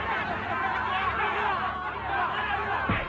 biar aku lihat